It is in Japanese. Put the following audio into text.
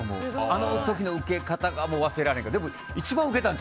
あの時のウケ方が忘れられん。